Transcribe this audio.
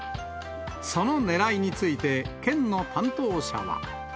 そのねらいについて、県の担当者は。